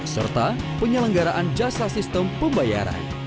serta penyelenggaraan jasa sistem pembayaran